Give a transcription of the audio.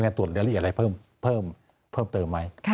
ไม่งั้นตรวจเรือดอะไรเพิ่มเติมไหม